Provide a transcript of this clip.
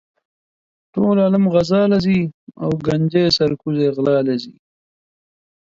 ټول عالم غزا لہ ځی او ګنجي سر کوزے غلا لہ ځی